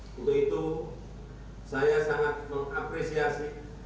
untuk itu saya sangat mengapresiasi